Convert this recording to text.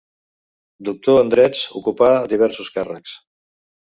Doctor en drets, ocupà diversos càrrecs.